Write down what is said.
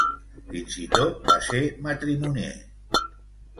Fins i tot va ser matrimonier.